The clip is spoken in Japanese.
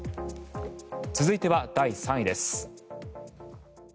続いては第３位です。